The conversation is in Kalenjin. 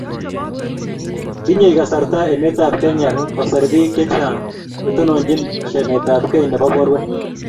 tinyei kasarta emetab Kenya koser biik che chang' che tononchino chametabgei nebo borwek